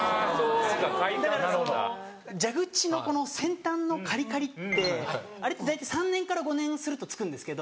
だからその蛇口の先端のカリカリってあれって大体３年から５年すると付くんですけど。